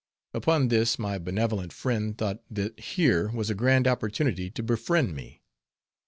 Upon this my benevolent friend thought that here was a grand opportunity to befriend me.